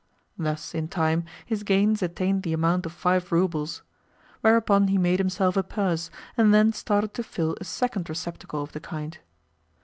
Thus, in time, his gains attained the amount of five roubles; whereupon he made himself a purse and then started to fill a second receptacle of the kind.